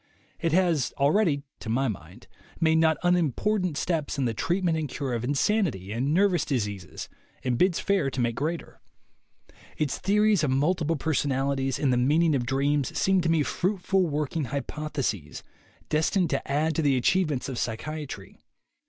It has already, to my mind, made not unimportant steps in the treatment and cure of insanity and nervous diseases, and bids fair to make greater. Its theories of multiple personalities and the mean ing of dreams seem to me fruitful working hypoth eses, destined to add to the achievements of psychia try.